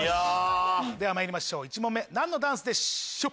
ではまいりましょう１問目何のダンスでしょう？